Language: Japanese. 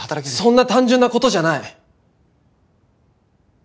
そんな単純な事じゃない。